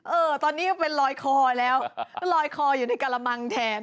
เออตอนนี้ก็เป็นลอยคอแล้วก็ลอยคออยู่ในกระมังแทน